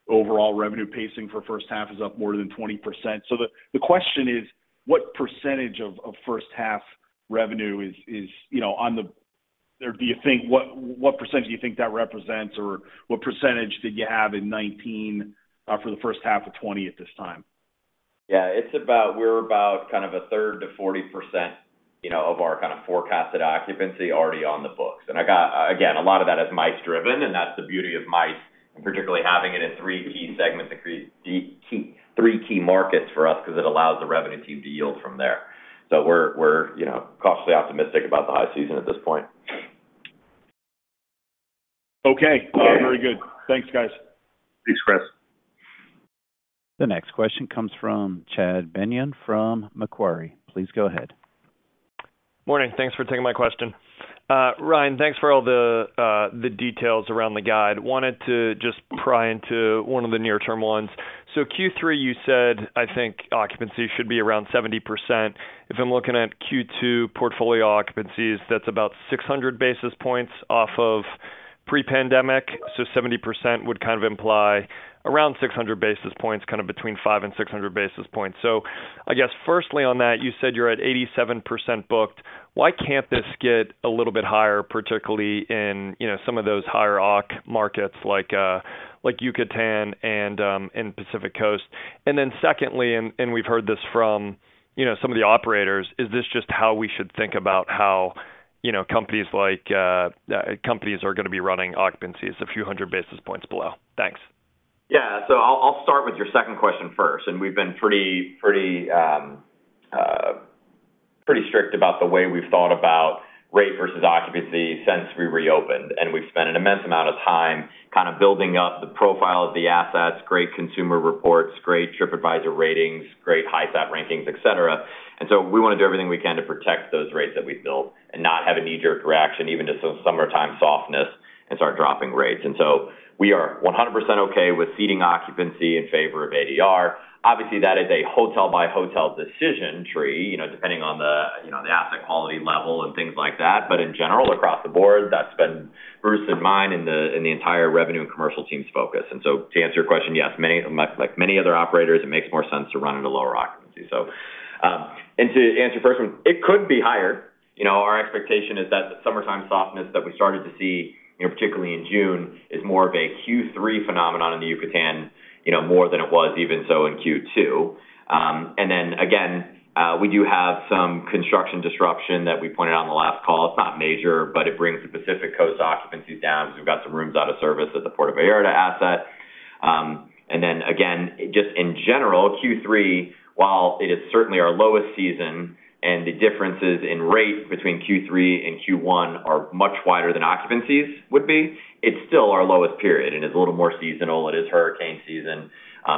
Speaker 7: overall revenue pacing for first half is up more than 20%. The question is: What percentage of first half revenue is, is, you know, on the... Or do you think, what percentage do you think that represents, or what percentage did you have in 2019 for the first half of 2020 at this time?
Speaker 2: Yeah, we're about kind of a third to 40%, you know, of our kind of forecasted occupancy already on the books. I got, again, a lot of that is MICE driven, and that's the beauty of MICE, and particularly having it in 3 key segments, and 3 key, 3 key markets for us, because it allows the revenue team to yield from there. We're, we're, you know, cautiously optimistic about the high season at this point.
Speaker 7: Okay. Very good. Thanks, guys.
Speaker 3: Thanks, Chris.
Speaker 1: The next question comes from Chad Beynon from Macquarie. Please go ahead.
Speaker 8: Morning. Thanks for taking my question. Ryan, thanks for all the details around the guide. Wanted to just pry into one of the near-term ones. Q3, you said, I think, occupancy should be around 70%. If I'm looking at Q2 portfolio occupancies, that's about 600 basis points off of pre-pandemic. 70% would kind of imply around 600 basis points, kind of between 500 and 600 basis points. I guess firstly on that, you said you're at 87% booked. Why can't this get a little bit higher, particularly in, you know, some of those higher occ markets like Yucatan and Pacific Coast? Secondly, and we've heard this from, you know, some of the operators, is this just how we should think about how, you know, companies like companies are gonna be running occupancies a few 100 basis points below? Thanks.
Speaker 2: Yeah. I'll, I'll start with your second question first. We've been pretty, pretty, pretty strict about the way we've thought about rate versus occupancy since we reopened, and we've spent an immense amount of time kind of building up the profile of the assets, great consumer reports, great Tripadvisor ratings, great Hi-Sat rankings, et cetera. We want to do everything we can to protect those rates that we've built and not have a knee-jerk reaction even to some summertime softness and start dropping rates. We are 100% okay with ceding occupancy in favor of ADR. Obviously, that is a hotel-by-hotel decision tree, you know, depending on the, you know, the asset quality level and things like that. In general, across the board, that's been first in mind in the, in the entire revenue and commercial team's focus. To answer your question, yes, like many other operators, it makes more sense to run at a lower occupancy, so. To answer your first one, it could be higher. You know, our expectation is that the summertime softness that we started to see, you know, particularly in June, is more of a Q3 phenomenon in the Yucatan, you know, more than it was even so in Q2. Again, we do have some construction disruption that we pointed out on the last call. It's not major, but it brings the Pacific Coast occupancies down, because we've got some rooms out of service at the Puerto Vallarta asset. Then again, just in general, Q3, while it is certainly our lowest season, and the differences in rate between Q3 and Q1 are much wider than occupancies would be, it's still our lowest period, and it's a little more seasonal. It is hurricane season.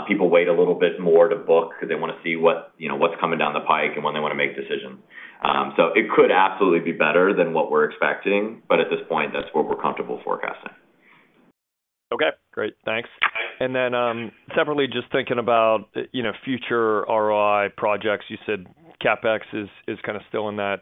Speaker 2: People wait a little bit more to book because they want to see what, you know, what's coming down the pike and when they want to make decisions. It could absolutely be better than what we're expecting, but at this point, that's what we're comfortable forecasting.
Speaker 8: Okay, great. Thanks. Separately, just thinking about, you know, future ROI projects, you said CapEx is, is kind of still in that,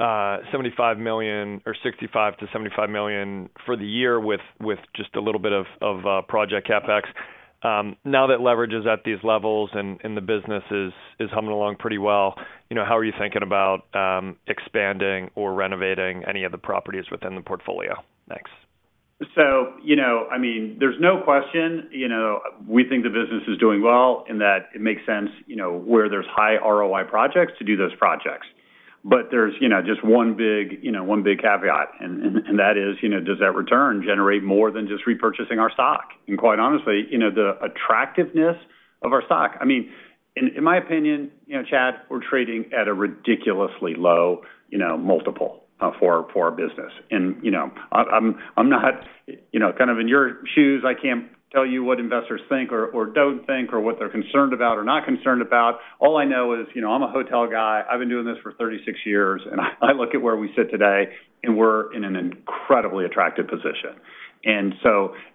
Speaker 8: $75 million or $65 million-$75 million for the year, with, with just a little bit of, of, project CapEx. Now that leverage is at these levels and, and the business is, is humming along pretty well, you know, how are you thinking about, expanding or renovating any of the properties within the portfolio? Thanks?
Speaker 3: You know, I mean, there's no question, you know, we think the business is doing well and that it makes sense, you know, where there's high ROI projects to do those projects. There's, you know, just one big, you know, one big caveat, and, and, and that is, you know, does that return generate more than just repurchasing our stock? Quite honestly, you know, the attractiveness of our stock, I mean, in, in my opinion, you know, Chad, we're trading at a ridiculously low, you know, multiple, for, for our business. You know, I'm, I'm not, you know, kind of in your shoes. I can't tell you what investors think or, or don't think, or what they're concerned about or not concerned about. All I know is, you know, I'm a hotel guy. I've been doing this for 36 years, and I look at where we sit today, and we're in an incredibly attractive position.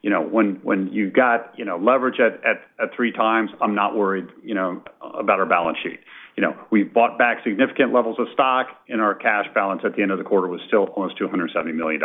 Speaker 3: You know, when, when you've got, you know, leverage at, at, at 3x, I'm not worried, you know, about our balance sheet. You know, we've bought back significant levels of stock, and our cash balance at the end of the quarter was still almost $270 million.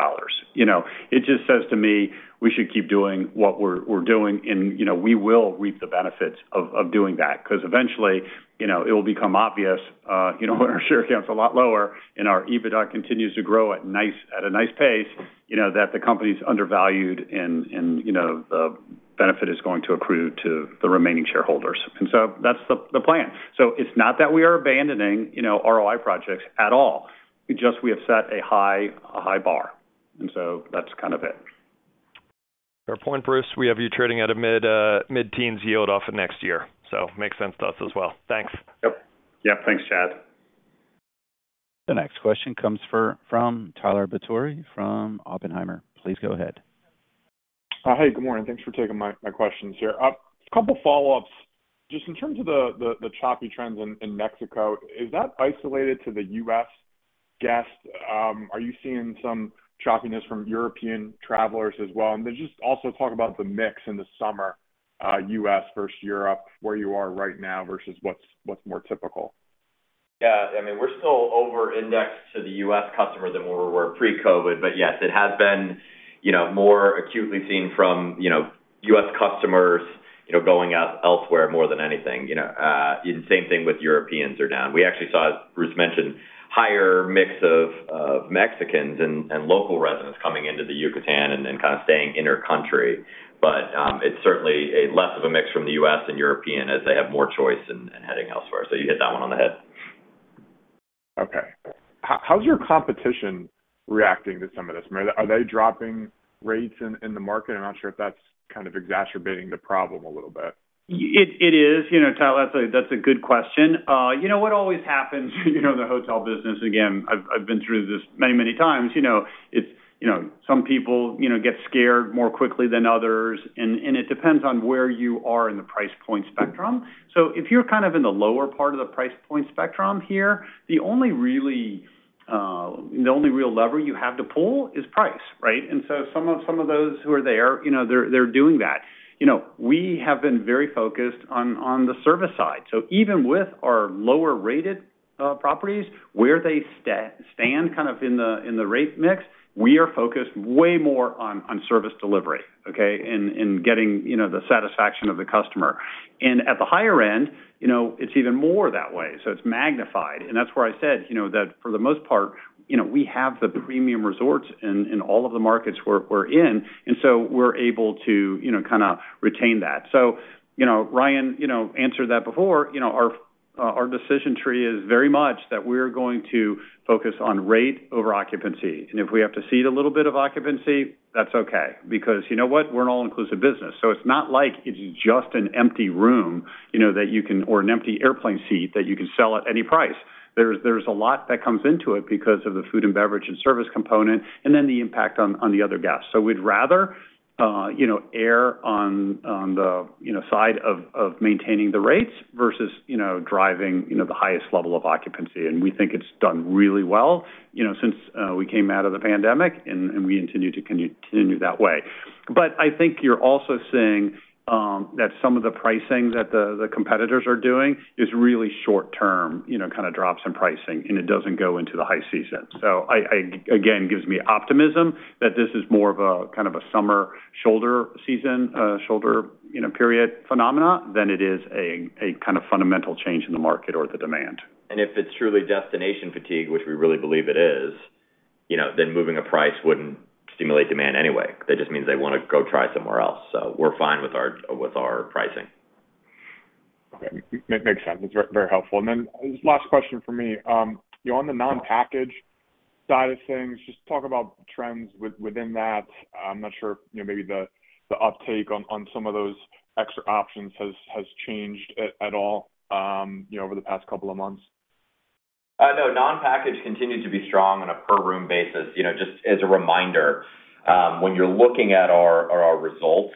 Speaker 3: You know, it just says to me, we should keep doing what we're, we're doing, and, you know, we will reap the benefits of, of doing that, 'cause eventually, you know, it will become obvious, when our share count is a lot lower and our EBITDA continues to grow at a nice pace, you know, that the company's undervalued and, and, you know, the benefit is going to accrue to the remaining shareholders. That's the, the plan. It's not that we are abandoning, you know, ROI projects at all. It's just we have set a high, a high bar, and so that's kind of it.
Speaker 8: Fair point, Bruce. We have you trading at a mid mid-teens yield off of next year. Makes sense to us as well. Thanks.
Speaker 3: Yep. Yeah, thanks, Chad.
Speaker 1: The next question comes from Tyler Batory from Oppenheimer. Please go ahead.
Speaker 9: Hey, good morning. Thanks for taking my, my questions here. A couple follow-ups. Just in terms of the, the, the choppy trends in, in Mexico, is that isolated to the U.S. guests? Are you seeing some choppiness from European travelers as well? Just also talk about the mix in the summer, U.S. versus Europe, where you are right now versus what's, what's more typical.
Speaker 2: Yeah, I mean, we're still over-indexed to the U.S. customer than we were pre-COVID, but yes, it has been, you know, more acutely seen from, you know, U.S. customers, you know, going out elsewhere more than anything. You know, same thing with Europeans are down. We actually saw, as Bruce mentioned, higher mix of, of Mexicans and, and local residents coming into the Yucatan and then kind of staying inner country. It's certainly a less of a mix from the U.S. and European as they have more choice in, in heading elsewhere. You hit that one on the head.
Speaker 9: Okay. How's your competition reacting to some of this? Are they dropping rates in, in the market? I'm not sure if that's kind of exacerbating the problem a little bit.
Speaker 3: It, it is. You know, Tyler, that's a, that's a good question. You know what always happens, you know, in the hotel business, again, I've, I've been through this many, many times. You know, it's, you know, some people, you know, get scared more quickly than others, and, and it depends on where you are in the price point spectrum. If you're kind of in the lower part of the price point spectrum here, the only really, the only real lever you have to pull is price, right? Some of, some of those who are there, you know, they're, they're doing that. You know, we have been very focused on, on the service side. Even with our lower-rated properties, where they stand kind of in the, in the rate mix, we are focused way more on, on service delivery, okay? Getting, you know, the satisfaction of the customer. At the higher end, you know, it's even more that way, so it's magnified. That's where I said, you know, that for the most part, you know, we have the premium resorts in, in all of the markets we're, we're in, and so we're able to, you know, kind of retain that. You know, Ryan, you know, answered that before. You know, our decision tree is very much that we're going to focus on rate over occupancy, and if we have to cede a little bit of occupancy, that's okay, because you know what? We're an all-inclusive business, so it's not like it's just an empty room, you know, that you can... or an empty airplane seat, that you can sell at any price. There's a lot that comes into it because of the food and beverage and service component, and then the impact on, on the other guests. We'd rather, you know, err on, on the, you know, side of, of maintaining the rates versus, you know, driving, you know, the highest level of occupancy. We think it's done really well, you know, since we came out of the pandemic, and we continue to continue that way. I think you're also seeing that some of the pricing that the competitors are doing is really short term, you know, kind of drops in pricing, and it doesn't go into the high season. I, I... Again, gives me optimism that this is more of a, kind of a summer shoulder season, shoulder, you know, period phenomena than it is a, a kind of fundamental change in the market or the demand.
Speaker 2: If it's truly destination fatigue, which we really believe it is, you know, then moving a price wouldn't stimulate demand anyway. That just means they want to go try somewhere else. We're fine with our, with our pricing.
Speaker 9: Okay. Makes sense. It's very helpful. Then last question for me. On the non-package side of things, just talk about trends within that. I'm not sure if, you know, maybe the, the uptake on, on some of those extra options has, has changed at all, you know, over the past couple of months.
Speaker 2: no, non-package continues to be strong on a per room basis. You know, just as a reminder, when you're looking at our, our results,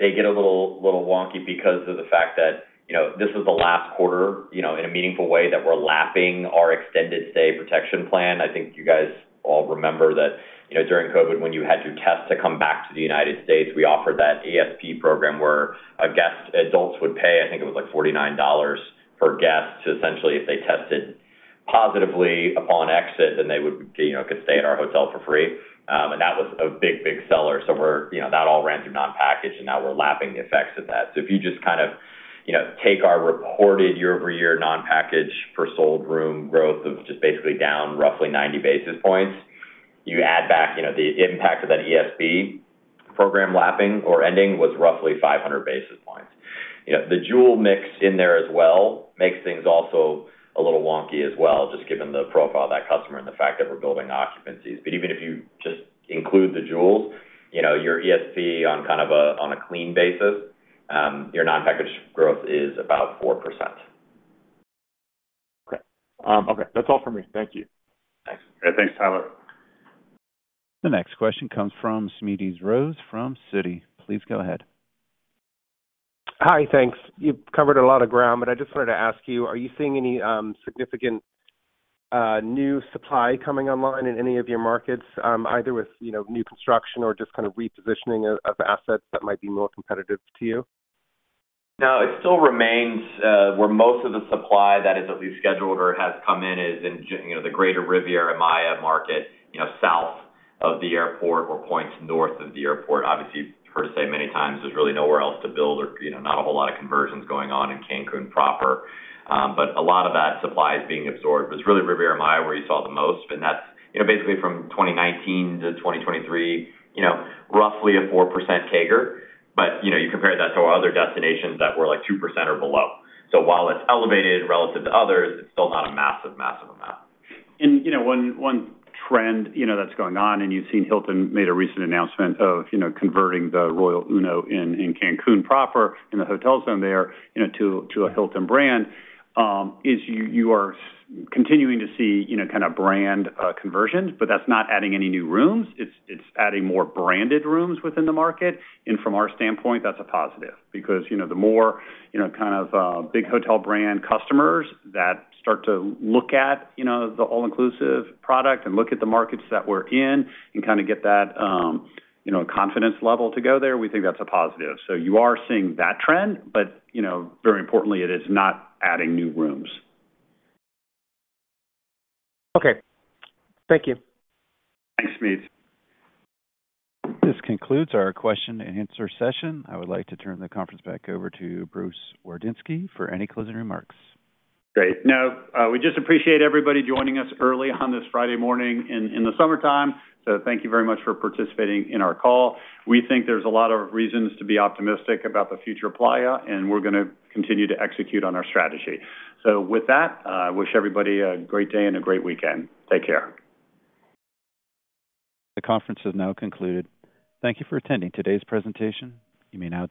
Speaker 2: they get a little, little wonky because of the fact that, you know, this is the last quarter, you know, in a meaningful way that we're lapping our extended stay protection plan. I think you guys all remember that, you know, during COVID, when you had to test to come back to the U.S., we offered that ESP program where a guest-- adults would pay, I think it was, like, $49 per guest to, essentially, if they tested positively upon exit, then they would, you know, could stay at our hotel for free. That was a big, big seller. We're, you know, that all ran through non-package, and now we're lapping the effects of that. If you just kind of, you know, take our reported year-over-year non-package for sold room growth of just basically down roughly 90 basis points, you add back, you know, the impact of that ESP program lapping or ending was roughly 500 basis points. You know, the Jewel mix in there as well makes things also a little wonky as well, just given the profile of that customer and the fact that we're building occupancies. Even if you just include the Jewels, you know, your ESP on kind of a, on a clean basis, your non-packaged growth is about 4%.
Speaker 9: Okay. Okay, that's all for me. Thank you.
Speaker 2: Thanks.
Speaker 3: Thanks, Tyler.
Speaker 1: The next question comes from Smedes Rose from Citi. Please go ahead.
Speaker 10: Hi. Thanks. You've covered a lot of ground, but I just wanted to ask you, are you seeing any significant new supply coming online in any of your markets, either with, you know, new construction or just kind of repositioning of assets that might be more competitive to you?
Speaker 2: No, it still remains, where most of the supply that is at least scheduled or has come in is in you know, the greater Riviera Maya market, you know, south of the airport or points north of the airport. Obviously, you've heard us say many times, there's really nowhere else to build or, you know, not a whole lot of conversions going on in Cancun proper. A lot of that supply is being absorbed, but it's really Riviera Maya, where you saw the most, and that's, you know, basically from 2019 to 2023, you know, roughly a 4% CAGR. You know, you compare that to our other destinations that were like 2% or below. While it's elevated relative to others, it's still not a massive, massive amount.
Speaker 3: You know, one, one trend, you know, that's going on, and you've seen Hilton made a recent announcement of, you know, converting the Royal Uno in, in Cancun proper, in the hotel zone there, you know, to, to a Hilton brand, is you, you are continuing to see, you know, kind of brand, conversions, but that's not adding any new rooms. It's, it's adding more branded rooms within the market, and from our standpoint, that's a positive. You know, the more, you know, kind of, big hotel brand customers that start to look at, you know, the all-inclusive product and look at the markets that we're in and kind of get that, you know, confidence level to go there, we think that's a positive. You are seeing that trend, but, you know, very importantly, it is not adding new rooms.
Speaker 10: Okay. Thank you.
Speaker 3: Thanks, Smedes.
Speaker 1: This concludes our question and answer session. I would like to turn the conference back over to Bruce Wardinski for any closing remarks.
Speaker 3: Great. We just appreciate everybody joining us early on this Friday morning in, in the summertime. Thank you very much for participating in our call. We think there's a lot of reasons to be optimistic about the future of Playa, and we're gonna continue to execute on our strategy. With that, I wish everybody a great day and a great weekend. Take care.
Speaker 1: The conference is now concluded. Thank you for attending today's presentation. You may now disconnect.